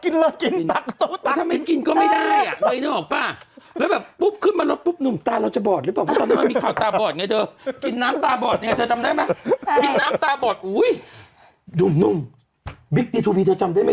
นุ่มนุ่มเดี๋ยวก่อนนะ